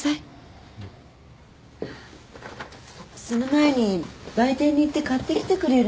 その前に売店に行って買ってきてくれる？